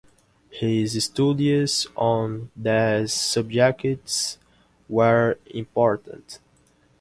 His studies on these subjects were important.